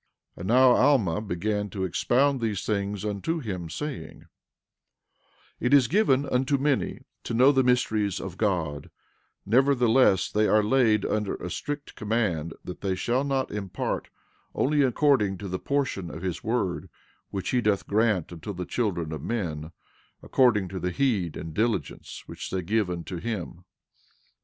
12:9 And now Alma began to expound these things unto him, saying: It is given unto many to know the mysteries of God; nevertheless they are laid under a strict command that they shall not impart only according to the portion of his word which he doth grant unto the children of men, according to the heed and diligence which they give unto him.